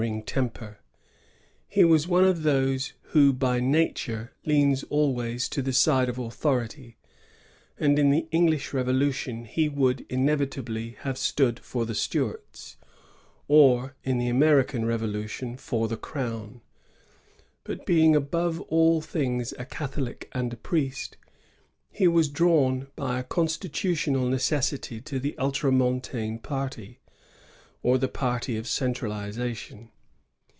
Log temper; He was one of those who by nature lean always to the side of authority; and in the English Revolution he would inevitably have stood for the Stuarts ; or, in the American Revolution, for the Crown. But being above all things a Catholic and a priest, he was drawn by a constitutional neces sity to the ultramontane party, or the party of cen tralization.